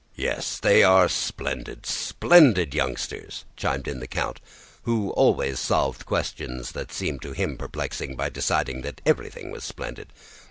"Yes, they are splendid, splendid youngsters," chimed in the count, who always solved questions that seemed to him perplexing by deciding that everything was splendid.